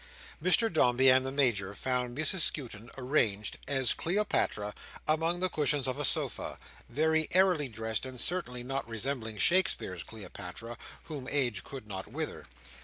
Mr Dombey and the Major found Mrs Skewton arranged, as Cleopatra, among the cushions of a sofa: very airily dressed; and certainly not resembling Shakespeare's Cleopatra, whom age could not wither.